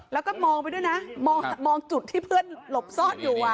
แล้วก็มองไปด้วยนะมองจุดที่เพื่อนหลบซ่อนอยู่